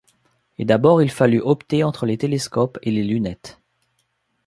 Et d’abord il fallut opter entre les télescopes et les lunettes.